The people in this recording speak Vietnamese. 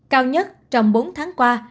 cao nhất trong bốn tháng qua